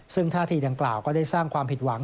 ซึ่งท่าทีดังกล่าวก็ได้สร้างความผิดหวัง